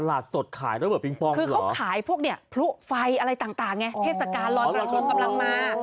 เหตุสการอะไรกำลังมา